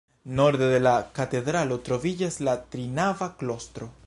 Norde de la katedralo troviĝas la trinava klostro.